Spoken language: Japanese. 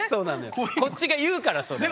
こっちが言うからそれ。